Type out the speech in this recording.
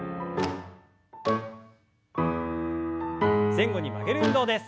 前後に曲げる運動です。